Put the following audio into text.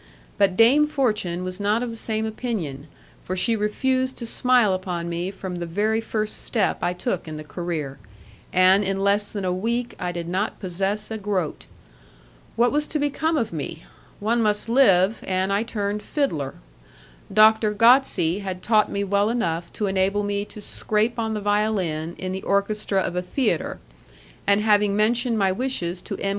But Dame Fortune was not of the same opinion, for she refused to smile upon me from the very first step I took in the career, and in less than a week I did not possess a groat. What was to become of me? One must live, and I turned fiddler. Doctor Gozzi had taught me well enough to enable me to scrape on the violin in the orchestra of a theatre, and having mentioned my wishes to M.